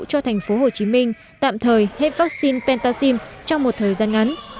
cho tp hcm tạm thời hết vaccine pentaxim trong một thời gian ngắn